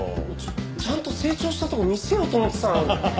ちゃんと成長したところ見せようと思ってたのに。